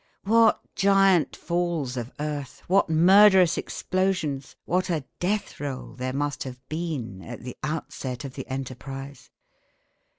What giant falls of earth, what murderous explosions, what a death roll there must have been at the outset of the enterprise!